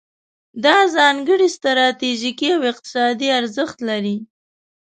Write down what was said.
دا ځانګړی ستراتیژیکي او اقتصادي ارزښت لري.